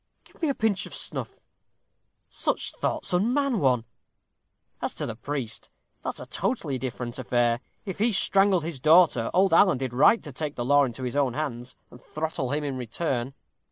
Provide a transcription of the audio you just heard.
Give me a pinch of snuff. Such thoughts unman one. As to the priest, that's a totally different affair. If he strangled his daughter, old Alan did right to take the law into his own hands, and throttle him in return.